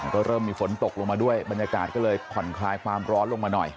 ก็เริ่มมีฝนตกลงมาด้วยบรรยากาศก็เลยผ่อนคลายความร้อนลงมาหน่อย